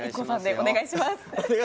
お願いします。